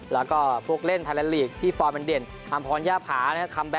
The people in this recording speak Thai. แล้วก็พวกเล่นธัญละลีกที่ฟอร์มเป็นเด่นอัมพรุณย่าผานะครับ